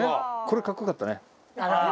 これかっこよかったね。